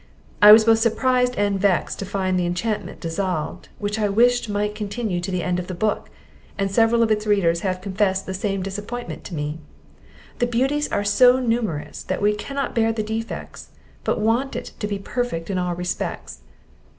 I was both surprised and vexed to find the enchantment dissolved, which I wished might continue to the end of the book; and several of its readers have confessed the same disappointment to me: The beauties are so numerous, that we cannot bear the defects, but want it to be perfect in all respects.